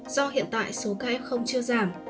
do hiện tại số ca f chưa giảm